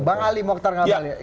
bang ali mokhtar ngabali